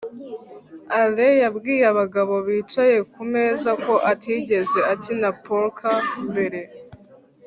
alain yabwiye abagabo bicaye kumeza ko atigeze akina poker mbere